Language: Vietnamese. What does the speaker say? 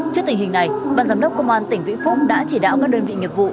trước tình hình này ban giám đốc công an tỉnh vĩnh phúc đã chỉ đạo các đơn vị nghiệp vụ